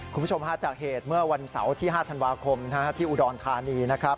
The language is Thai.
คุณผู้ชมฮาจากเหตุเมื่อวันเสาร์ที่๕ธันวาคมที่อุดรธานีนะครับ